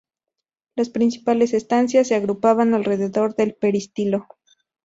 Las principales estancias se agrupaban alrededor del peristilo.